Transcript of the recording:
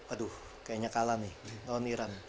aduh kayaknya kalah nih lawan iran